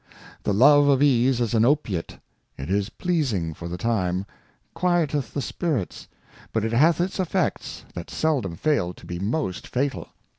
' The Love of Ease is an Opiate, it is pleasing for the time, 1 quieteth the Spirits, but it hath its Effects that seldom fail to be most fatal.